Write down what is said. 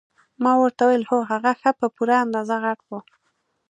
ما ورته وویل هو هغه ښه په پوره اندازه غټ وو.